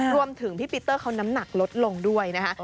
พี่ปีเตอร์เขาน้ำหนักลดลงด้วยนะคะ